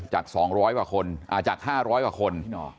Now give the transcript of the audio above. จากสองร้อยกว่าคนอ่าจากห้าร้อยกว่าคน